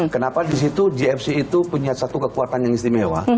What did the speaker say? kenapa di situ gfc itu punya satu kekuatan yang istimewa